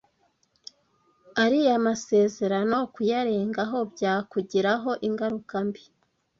Ariya masezerano kuyarengaho byakugiraho ingaruka mbi